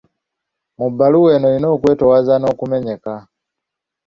Mu bbaluwa eno olina okwetoowaza n'okumenyeka.